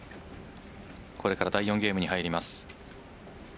これから第４ゲームに入ります。